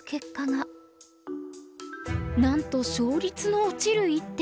なんと勝率の落ちる一手。